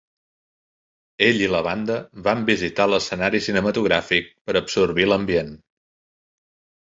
Ell i la banda van visitar l'escenari cinematogràfic per absorbir l'ambient.